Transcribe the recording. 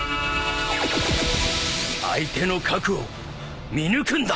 相手の核を見抜くんだ！